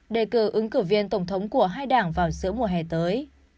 đề cử ứng cử viên tổng thống của hai đảng vào giữa mùa hè tới